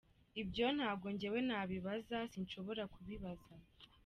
Ibyo ntabwo njyewe nabibaza, sinshobora kubibaza.